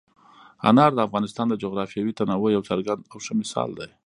انار د افغانستان د جغرافیوي تنوع یو څرګند او ښه مثال دی.